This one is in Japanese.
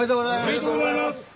おめでとうございます。